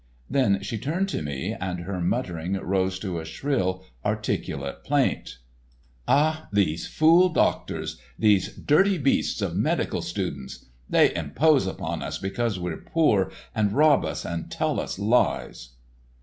Then she turned to me, and her muttering rose to a shrill, articulate plaint: "Ah, these fool doctors—these dirty beasts of medical students! They impose upon us because we're poor and rob us and tell us lies."